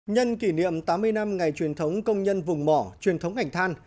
nhân kỷ niệm tám mươi năm ngày truyền thống công nhân vùng mỏ truyền thống ngành than